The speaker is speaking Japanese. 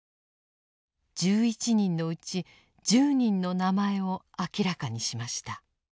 １１人のうち１０人の名前を明らかにしました。